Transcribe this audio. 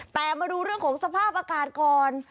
แต่มาดูเรื่องของสภาพอากาศก่อน